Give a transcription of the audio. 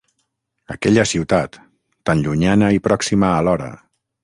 Aquella ciutat tan llunyana i pròxima alhora!